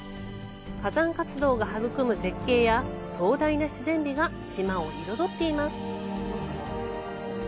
火山活動が育む絶景や壮大な自然美が島を彩っています。